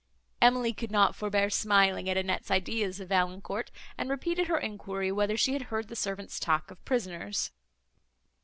Emily could not forbear smiling at Annette's ideas of Valancourt, and repeated her enquiry, whether she had heard the servants talk of prisoners.